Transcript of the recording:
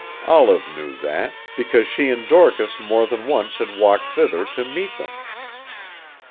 Olive knew that, because she and Dorcas more than once had walked thither to meet them.